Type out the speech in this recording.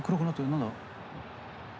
何だ？